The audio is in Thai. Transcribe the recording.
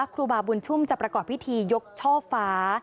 ครูบาบุญชุมจะประกอบพิธียกช่อฟ้า